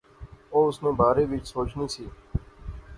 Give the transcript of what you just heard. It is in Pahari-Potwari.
او اس نے بارے وچ سوچنی سی